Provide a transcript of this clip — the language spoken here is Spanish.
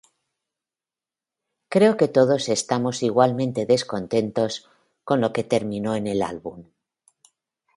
Creo que todos estamos igualmente descontentos con lo que terminó en el álbum.